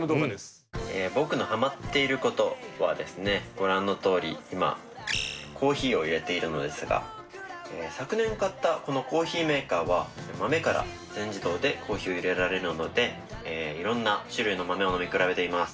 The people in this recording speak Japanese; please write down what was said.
ご覧のとおり今コーヒーをいれているのですが昨年買ったこのコーヒーメーカーは豆から全自動でコーヒーをいれられるのでいろんな種類の豆を飲み比べています。